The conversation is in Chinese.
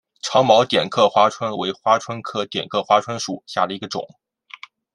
长毛点刻花蝽为花蝽科点刻花椿属下的一个种。